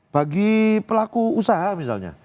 bagi pelaku usaha misalnya